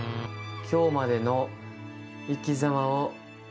今日までの生きざまを。